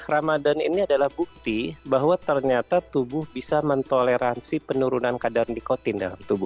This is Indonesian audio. ramadan ini adalah bukti bahwa ternyata tubuh bisa mentoleransi penurunan kadar nikotin